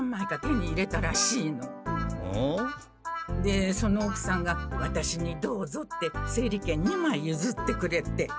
でそのおくさんがワタシに「どうぞ」って整理券２まいゆずってくれて。